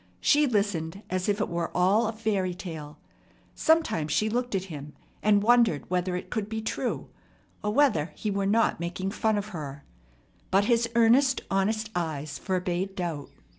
She listened as if it were all a fairy tale. Sometimes she looked at him, and wondered whether it could be true, or whether he were not making fun of her; but his earnest, honest eyes forbade doubt.